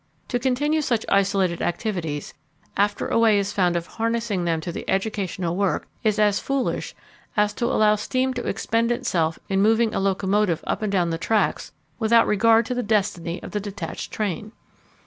To continue such isolated activities after a way is found of harnessing them to the educational work is as foolish as to allow steam to expend itself in moving a locomotive up and down the tracks without regard to the destiny of the detached train.